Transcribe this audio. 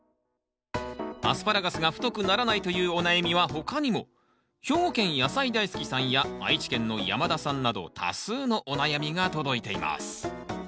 アスパラガスが太くならないというお悩みは他にも兵庫県野菜大好きさんや愛知県の山田さんなど多数のお悩みが届いています